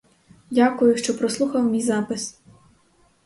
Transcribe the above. Дякую, що прослухав мій запис!